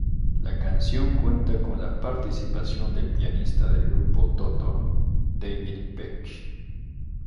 La canción cuenta con la participación del pianista del grupo Toto, David Paich.